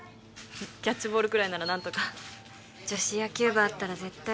キャッチボールくらいなら何とか女子野球部あったら絶対に入ったのにな